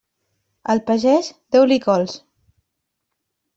Al pagès, deu-li cols.